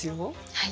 はい。